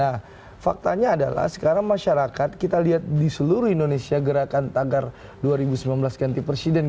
nah faktanya adalah sekarang masyarakat kita lihat di seluruh indonesia gerakan tagar dua ribu sembilan belas ganti presiden